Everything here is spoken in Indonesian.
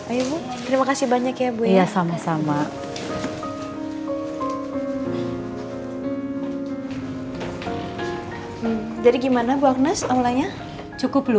ayo bu terima kasih banyak bu